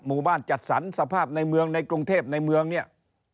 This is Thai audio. หมู่บ้านจัดสรรสภาพในเมืองในกรุงเทพในเมืองเนี่ย